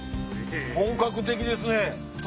本格的ですね！